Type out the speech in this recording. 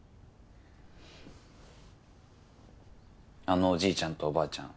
あのおじいちゃんとおばあちゃん